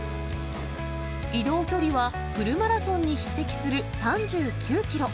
移動距離はフルマラソンに匹敵する３９キロ。